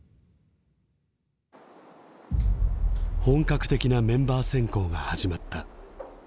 本格的なメンバー選考が始まった。